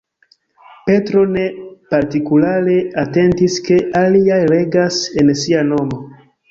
Petro ne partikulare atentis ke aliaj regas en sia nomo.